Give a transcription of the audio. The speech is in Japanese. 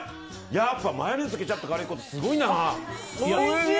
やっぱりマヨネーズケチャップ、カレー粉っておいしい！